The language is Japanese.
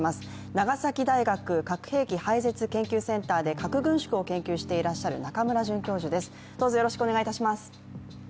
長崎大学・核兵器廃絶研究センターで核軍縮を研究していらっしゃる中村准教授です。